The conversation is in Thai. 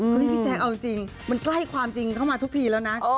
พี่แจ๊คเอาจริงมันใกล้ความจริงเข้ามาทุกทีแล้วนะ